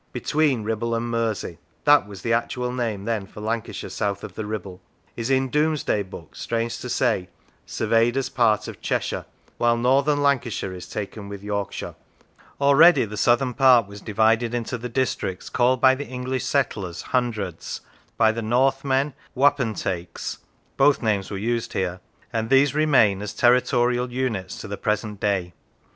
Between Kibble and Mersey " (that was the actual name then for Lancashire south of the" Kibble) is in Domesday Book, strange to say, surveyed as part of Cheshire; while Northern Lan cashire is taken with Yorkshire. Already the southern part was divided into the dis tricts called by the English settlers hundreds, by the Northmen wapentakes (both names were used here), and these remain as territorial units to the present day.